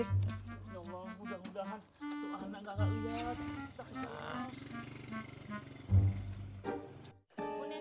ya allah mudah mudahan